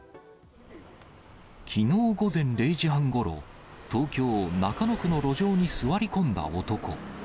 きのう午前０時半ごろ、東京・中野区の路上に座り込んだ男。